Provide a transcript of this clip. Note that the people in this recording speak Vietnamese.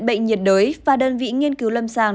bệnh nhiệt đới và đơn vị nghiên cứu lâm sàng